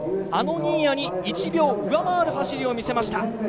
あの新谷に１秒上回る走りを見せました。